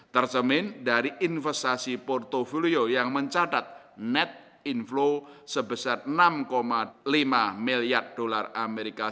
tercemin dari investasi portfolio yang mencatat net inflow sebesar enam lima miliar dolar amerika